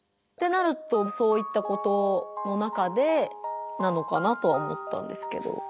ってなるとそういったことの中でなのかなとは思ったんですけど。